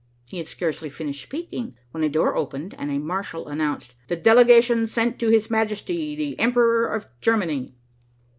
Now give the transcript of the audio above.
He had scarcely finished speaking, when a door opened, and a marshal announced "The delegation sent to His Majesty the Emperor of Germany."